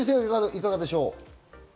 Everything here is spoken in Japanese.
いかがでしょう？